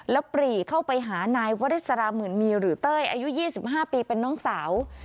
แล้วปรีเข้าไปหานายวริสราหมื่นมีหรือเต้ยอายุ๒๕ปีเป็นน้องสาว